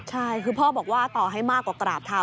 ใช่คือพ่อบอกว่าต่อให้มากกว่ากราบเท้า